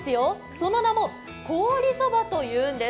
その名も凍りそばというんです。